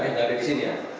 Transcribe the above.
dia tidak ada di sini ya